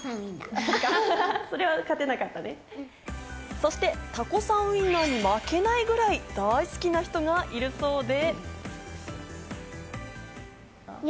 そして、タコさんウインナーに負けないくらい大好きな人がいるそうで。